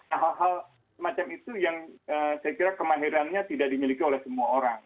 hal hal semacam itu yang saya kira kemahirannya tidak dimiliki oleh semua orang